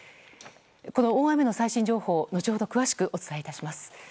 この大雨の最新情報後ほど詳しくお伝えいたします。